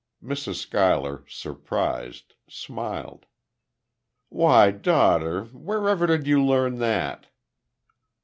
Mrs. Schuyler, surprised, smiled. "Why, daughter! Wherever did you learn that?"